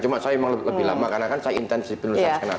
cuma saya memang lebih lama karena kan saya intensifin lulusan skenario